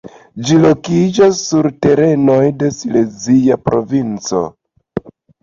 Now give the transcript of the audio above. Ĝi lokiĝas sur terenoj de Silezia Provinco.